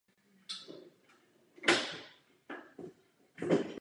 Stejně tak činnosti prospěšné pro společnost mohou poškodit zájmy určitých jednotlivců.